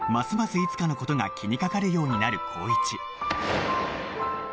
いつかの事が気にかかるようになる紘一